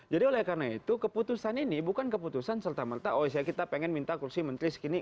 jadi oleh karena itu keputusan ini bukan keputusan serta merta oh kita pengen minta kursi menteri segini